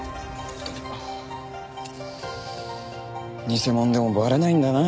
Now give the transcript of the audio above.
偽物でもバレないんだな。